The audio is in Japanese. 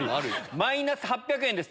マイナス８００円です。